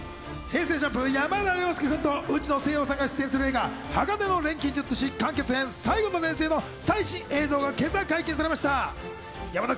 ＪＵＭＰの山田涼介君と、内野聖陽さんが出演する映画『鋼の錬金術師完結編最後の錬成』の最新映像が今朝、解禁されました。